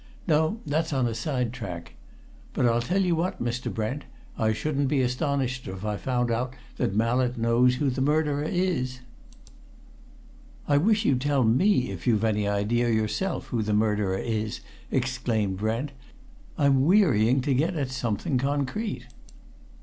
No; that's on a side track. But I'll tell you what, Mr. Brent I shouldn't be astonished if I found out that Mallett knows who the murderer is!" "I wish you'd tell me if you've any idea yourself who the murderer is!" exclaimed Brent. "I'm wearying to get at something concrete!"